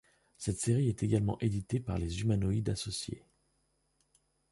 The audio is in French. Cette série est également éditée par les Humanoïdes Associés.